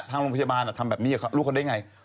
ทางโรงพยาบาลอะทำแบบนี้อะครับรู้คนได้ไง